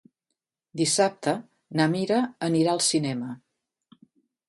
Dissabte na Mira anirà al cinema.